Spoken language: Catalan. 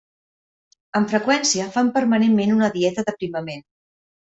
Amb freqüència fan permanentment una dieta d'aprimament.